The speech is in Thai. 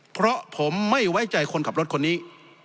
เพราะผมไม่ไว้ใจคนขับรถคนนี้